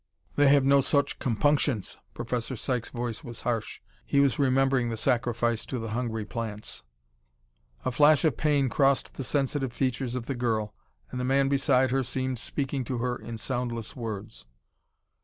"They have no such compunctions!" Professor Sykes' voice was harsh; he was remembering the sacrifice to the hungry plants. A flash as of pain crossed the sensitive features of the girl, and the man beside her seemed speaking to her in soundless words.